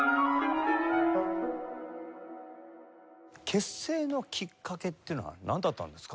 結成のきっかけっていうのはなんだったんですか？